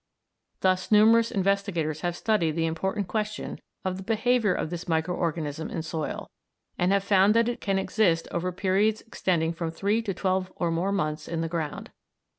Thus numerous investigators have studied the important question of the behaviour of this micro organism in soil, and have found that it can exist over periods extending from three to twelve or more months in the ground.